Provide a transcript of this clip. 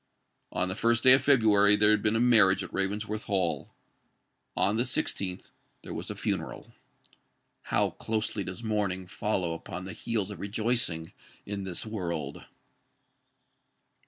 On the first day of February there had been a marriage at Ravensworth Hall: on the sixteenth there was a funeral. How closely does mourning follow upon the heels of rejoicing, in this world!